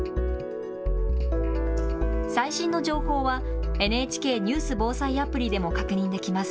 最新の情報はＮＨＫニュース・防災アプリでも確認できます。